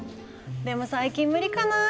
でも最近無理かなあ。